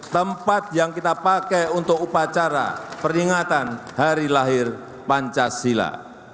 tempat yang kita pakai untuk upacara peringatan hari lahir pancasila